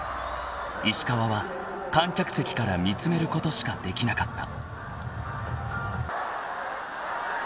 ［石川は観客席から見つめることしかできなかった］